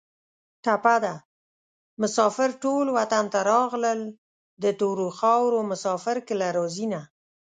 ټپه ده: مسافر ټول وطن ته راغلل د تورو خارو مسافر کله راځینه